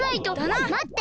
まって！